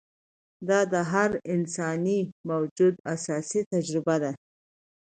دا د هر انساني موجود اساسي تجربه ده.